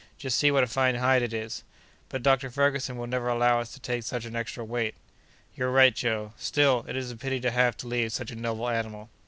Just see what a fine hide it is!" "But Dr. Ferguson will never allow us to take such an extra weight!" "You're right, Joe. Still it is a pity to have to leave such a noble animal."